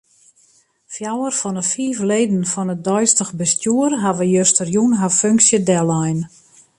Fjouwer fan 'e fiif leden fan it deistich bestjoer hawwe justerjûn har funksje dellein.